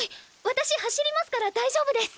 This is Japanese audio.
私走りますから大丈夫です。